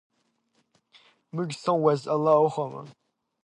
Mug's son was Ailill Ollamh.